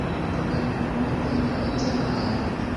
bakaganira ku mateka y’ibyabaye